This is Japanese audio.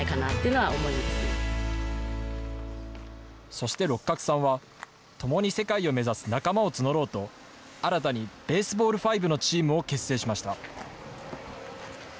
そして六角さんは、ともに世界を目指す仲間を募ろうと、新たにベースボール５のチームを結成しました。